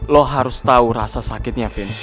lo harus tau rasa sakitnya vin